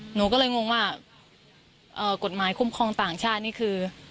หนูก็เลยงงว่ากฎหมายคุ้มครองต่างชาตินี่คือ